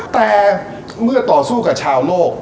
แต่เมื่อต่อสู้กับชาวโลก